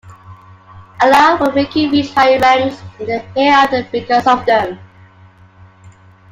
Allah will make you reach higher ranks in the Hereafter because of them.